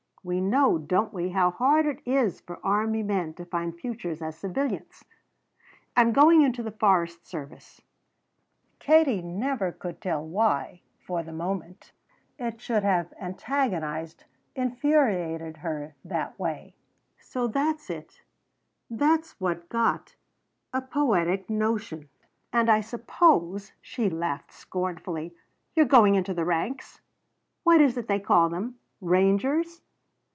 "We know, don't we, how hard it is for army men to find futures as civilians?" "I'm going into the forest service." Katie never could tell why, for the moment, it should have antagonized, infuriated her that way. "So that's it. That's what got a poetic notion! And I suppose," she laughed scornfully, "you're going into the ranks? What is it they call them? Rangers?